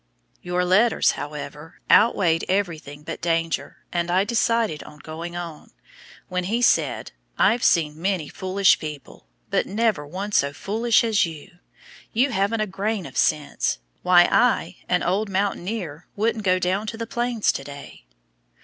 Your letters, however, outweighed everything but danger, and I decided on going on, when he said, "I've seen many foolish people, but never one so foolish as you you haven't a grain of sense. Why, I, an old mountaineer, wouldn't go down to the Plains to day."